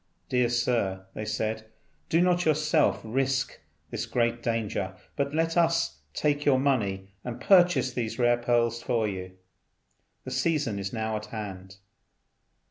"Dear Sir," they said, "do not yourself risk this great danger, but let us take your money and purchase these rare pearls for you. The season is now at hand."